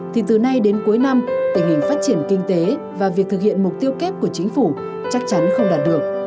thì từ nay đến cuối năm tình hình phát triển kinh tế và việc thực hiện mục tiêu kép của chính phủ chắc chắn không đạt được